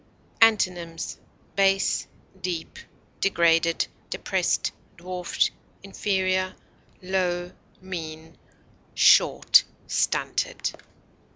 Antonyms: base, degraded, dwarfed, inferior, low, mean, short, stunted.